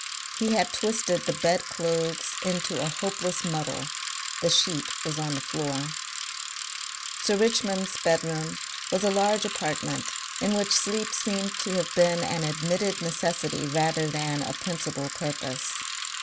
He had twisted the bed clothes into a hopeless muddle, the sheet was on the floor. Sir Richmond's bedroom was a large apartment in which sleep seemed to have been an admitted necessity rather than a principal purpose.